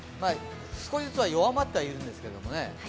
少しずつは弱まってはいるんですけどね。